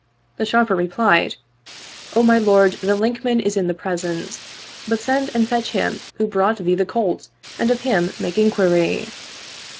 The Sharper re plied, ''O my lord, the Linkman is in the presence; but send and fetch him who brought thee the colt and of him make inquiry.